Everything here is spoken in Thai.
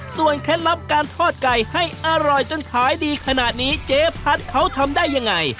เคล็ดลับการทอดไก่ให้อร่อยจนขายดีขนาดนี้เจ๊พัดเขาทำได้ยังไง